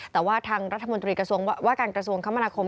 แต่ว่าทางรัฐมนตรีว่าการกระทรวงคมนาคม